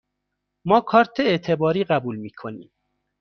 ما کارت اعتباری قبول می کنیم.